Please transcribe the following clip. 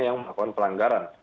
yang melakukan pelanggaran